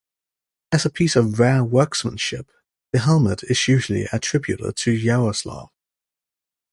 As a piece of rare workmanship, the helmet is usually attributed to Yaroslav.